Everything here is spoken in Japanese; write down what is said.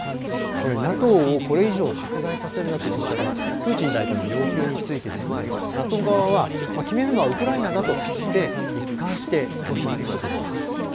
ＮＡＴＯをこれ以上拡大させるなというそちらのプーチン大統領の要求についてＮＡＴＯ側は決めるのはウクライナだとして一貫して拒否しています。